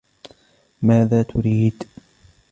ماذا تريد ؟